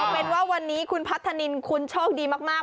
เป็นว่าวันนี้คุณพัฒนินคุณโชคดีมาก